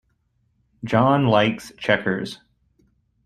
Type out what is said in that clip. John likes checkers.